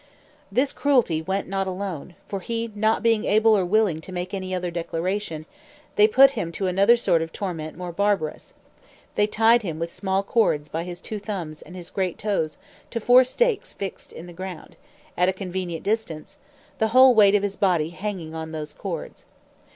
This cruelty went not alone; for he not being able or willing to make any other declaration, they put him to another sort of torment more barbarous; they tied him with small cords by his two thumbs and great toes to four stakes fixed in the ground, at a convenient distance, the whole weight of his body hanging on those cords.